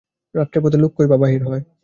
রাত্রে পথে লোক কেই বা বাহির হয়।